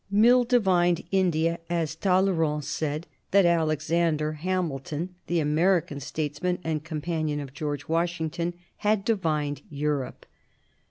Mill divined India as Talleyrand said that Alexander Hamilton, the American statesman and companion of George Washington, had divined Europe.